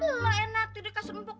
elok enak tidur kasurnya empuk